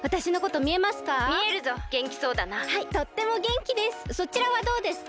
とってもげんきです。